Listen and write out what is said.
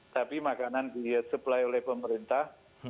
tapi makanan disuplai oleh pemerintah